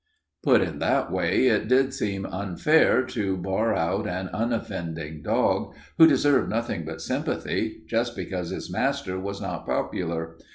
Put in that way, it did seem unfair to bar out an unoffending dog, who deserved nothing but sympathy, just because his master was not popular.